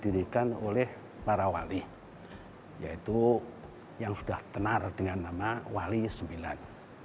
dan diberikan oleh para wali yaitu yang sudah tenar dengan nama wali sembilan